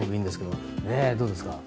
どうですか？